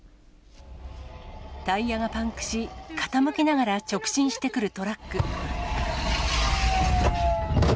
タイヤがパンクし、傾きながら直進してくるトラック。